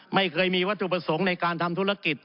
ไม่เคยมีวัตถุประสงค์ในการทำธุรกิจ